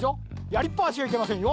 やりっぱなしはいけませんよ。